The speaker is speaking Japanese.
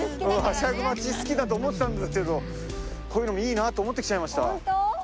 はしゃぐ街好きだと思ってたんですけどこういうのもいいなと思ってきちゃいました。